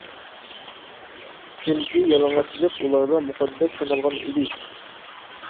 چۈنكى يالىڭاچلىق ئۇلاردا مۇقەددەس سانالغان ئىدى.